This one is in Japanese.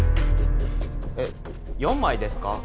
えっ４枚ですか？